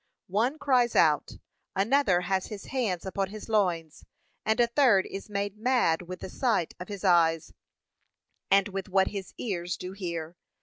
One cries out, another has his hands upon his loins, and a third is made mad with the sight of his eyes, and with what his ears do hear.